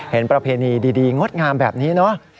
ประเพณีดีงดงามแบบนี้เนอะ